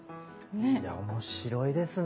いや面白いですね。